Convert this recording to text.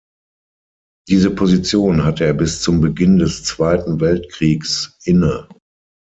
Diese Position hatte er bis zum Beginn des Zweiten Weltkriegs inne.